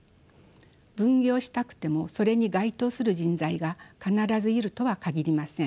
分業したくてもそれに該当する人材が必ずいるとは限りません。